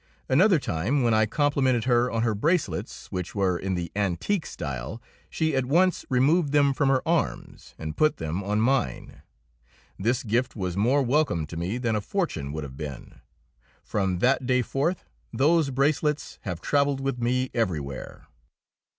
Another time, when I complimented her on her bracelets, which were in the antique style, she at once removed them from her arms and put them on mine. This gift was more welcome to me than a fortune would have been; from that day forth those bracelets have travelled with me everywhere.